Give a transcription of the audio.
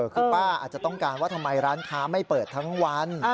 คือป้าอาจจะต้องการว่าทำไมร้านค้าไม่เปิดทั้งวัน